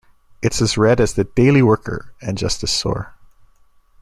It's as red as the "Daily Worker" and just as sore".